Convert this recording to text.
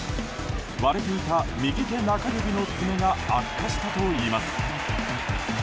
割れていた右手中指の爪が悪化したといいます。